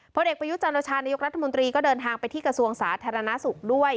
เด็กประยุจันโอชานายกรัฐมนตรีก็เดินทางไปที่กระทรวงสาธารณสุขด้วย